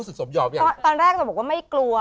ตอนแรกจะบอกว่าไม่กลัว